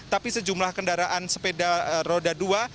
tapi sejumlah kendaraan sepeda roda dua